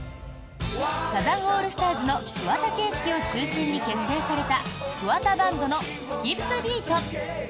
サザンオールスターズの桑田佳祐を中心に結成されたＫＵＷＡＴＡＢＡＮＤの「スキップ・ビート」。